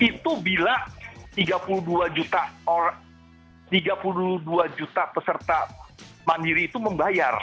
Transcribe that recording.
itu bila tiga puluh dua juta peserta mandiri itu membayar